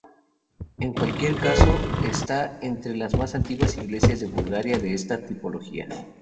En cualquier caso, está entre las más antiguas iglesias de Bulgaria de esta tipología.